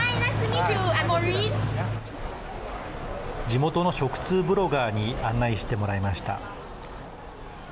地元の食通ブロガーに案内してもらいました。